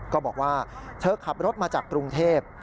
ก็บอกว่าเธอขับรถมาจากกรุงเทพ